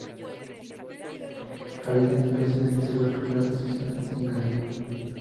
Habita en especial en selvas primarias estacionales y en galería.